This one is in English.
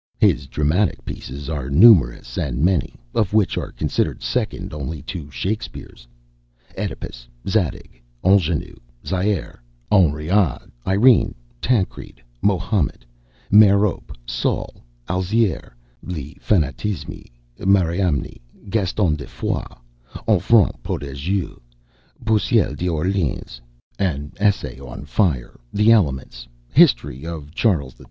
His dramatic pieces are numerous, many of which are considered second only to Shakespeare's. "Oedipus," "Zadig," "Ing├®nu," "Zaire," "Henri ade," "Irene," "Tancred," "Mahomet," "Merope," "Saul," "Alzire," "Le Fanatisme," "Mariamne," "Gaston de Foix," "Enfant Prodigue," "Pucelle d'Orl├®ans," an essay on "Fire," the "Elements," "History of Charles XII.